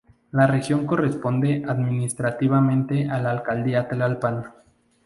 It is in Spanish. La región corresponde administrativamente a la alcaldía Tlalpan.